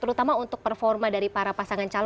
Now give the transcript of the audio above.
terutama untuk performa dari para pasangan calon